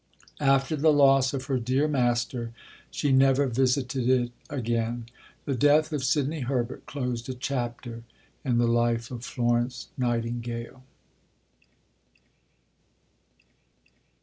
After the loss of her "dear Master," she never visited it again. The death of Sidney Herbert closed a chapter in the life of Florence Nightingale.